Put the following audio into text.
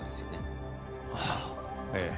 ああええ。